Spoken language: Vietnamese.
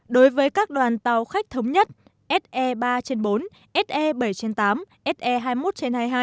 đối với các đoàn tàu khách thống nhất se ba trên bốn se bảy trên tám se hai mươi một trên hai mươi hai